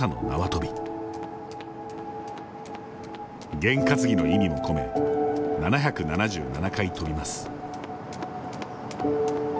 験担ぎの意味も込め７７７回跳びます。